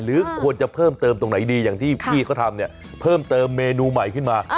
หรือควรจะเพิ่มเติมตรงไหนดีอย่างที่พี่เขาทำเนี่ยเพิ่มเติมเมนูใหม่ขึ้นมา